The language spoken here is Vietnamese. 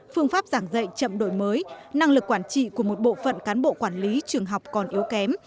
phương pháp giảng dạy chậm đổi mới năng lực quản trị của một bộ phận cán bộ quản lý trường học còn yếu kém